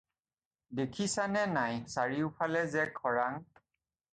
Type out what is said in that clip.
দেখিছানে নাই চাৰিওফালে যে খৰাং।